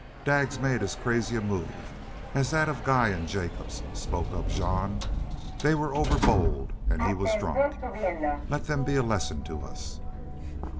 "Daggs made as crazy a move as that of Guy an' Jacobs," spoke up Jean. "They were overbold, an' he was drunk. Let them be a lesson to us."